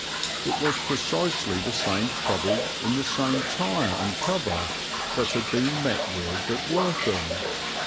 It was precisely the same trouble in the same tire and cover that had been met with at Wortham.